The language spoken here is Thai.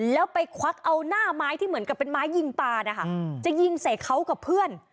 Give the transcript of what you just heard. แล้วไปควักเอาหน้าไม้ที่เหมือนกับเป็นไม้ยิงปลานะคะจะยิงใส่เขากับเพื่อน